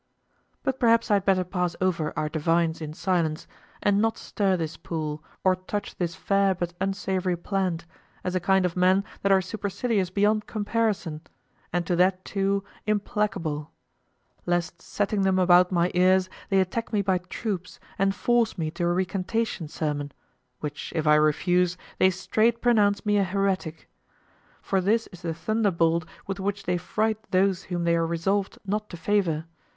But perhaps I had better pass over our divines in silence and not stir this pool or touch this fair but unsavory plant, as a kind of men that are supercilious beyond comparison, and to that too, implacable; lest setting them about my ears, they attack me by troops and force me to a recantation sermon, which if I refuse, they straight pronounce me a heretic. For this is the thunderbolt with which they fright those whom they are resolved not to favor.